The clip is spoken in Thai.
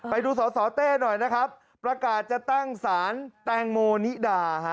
ไปดูสสเต้หน่อยนะครับประกาศจะตั้งสารแตงโมนิดาฮะ